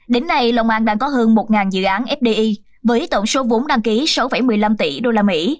đến nay long an đang có hơn một dự án fdi với tổng số vốn đăng ký sáu một mươi năm tỷ usd